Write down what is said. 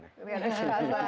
tidak ada kesusahan